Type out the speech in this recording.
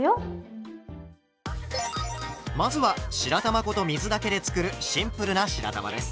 まずは白玉粉と水だけで作るシンプルな白玉です。